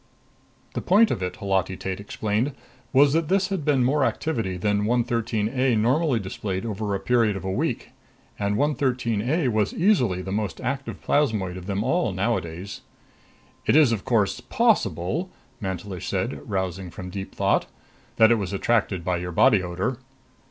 6 The point of it, Holati Tate explained, was that this had been more activity than 113 A normally displayed over a period of a week. And 113 A was easily the most active plasmoid of them all nowadays. "It is, of course, possible," Mantelish said, arousing from deep thought, "that it was attracted by your body odor."